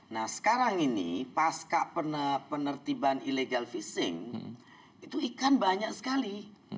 nah sekarang ini pasca penertiban illegal fishing itu ikan banyak sekali